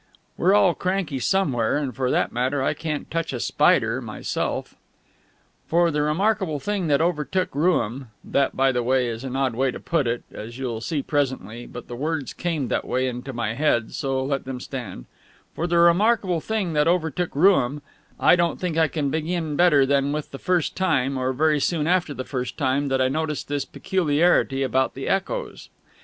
We're all cranky somewhere, and for that matter, I can't touch a spider myself. For the remarkable thing that overtook Rooum (that, by the way, is an odd way to put it, as you'll see presently; but the words came that way into my head, so let them stand) for the remarkable thing that overtook Rooum, I don't think I can begin better than with the first time, or very soon after the first time, that I noticed this peculiarity about the echoes.